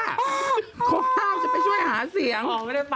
เขาห้าวฉันไปช่วยหาเสียง